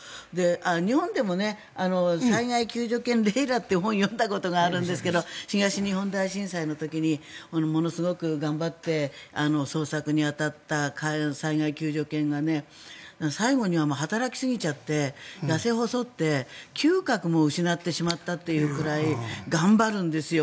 日本でも災害救助犬の本を読んだことあるんですが東日本大震災の時にものすごく頑張って捜索に当たった災害救助犬が最後には働きすぎちゃって痩せ細って嗅覚も失ってしまったというくらい頑張るんですよ。